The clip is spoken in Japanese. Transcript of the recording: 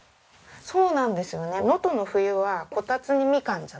そうなんですよね。